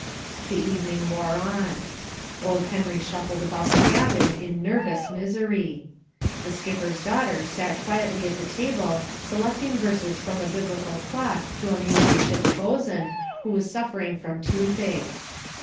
The evening wore on. Old Henry shuffled about the cabin in nervous misery. The skipper's daughter sat quietly at the table selecting verses from a Biblical clock to amuse the ship's bosun, who was suffering from toothache.